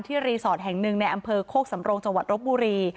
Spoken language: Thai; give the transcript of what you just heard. ที่รีสอร์ทแห่งหนึ่งในอำเภอโคกสำรงจบุรี